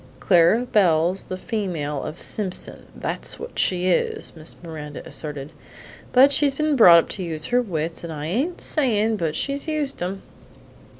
"Clara Belle's the female of Simpson; that's what she is," Miss Miranda asserted; "but she's been brought up to use her wits, and I ain't sayin' but she used em."